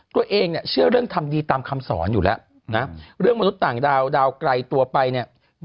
ตัวเองเนี่ยเชื่อเรื่องทำดีตามคำสอนอยู่แล้วนะเรื่องมนุษย์ต่างดาวดาวไกลตัวไปเนี่ย